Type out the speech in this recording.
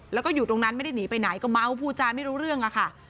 แล้วก็อยู่ตรงนั้นไม่ได้หนีไปไหนก็เมาพูดจาไม่รู้เรื่องอะค่ะ